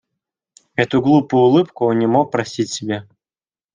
Эту глупую улыбку он не мог простить себе.